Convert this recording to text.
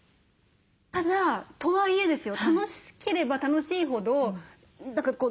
ただとはいえですよ